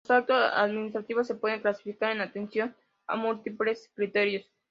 Los actos administrativos se pueden clasificar en atención a múltiples criterios.